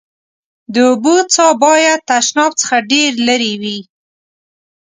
د اوبو څاه باید تشناب څخه ډېر لېري وي.